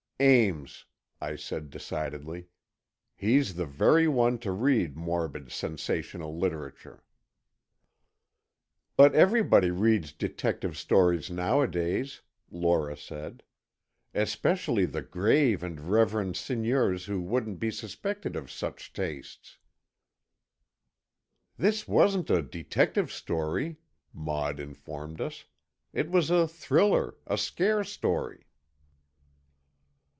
"Ames," I said decidedly. "He's the very one to read morbid, sensational literature." "But everybody reads detective stories nowadays," Lora said. "Especially the grave and reverend seigneurs who wouldn't be suspected of such tastes." "This wasn't a detective story," Maud informed us. "It was a thriller, a scare story."